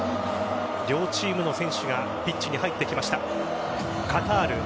両チームの選手がピッチに入ってきました。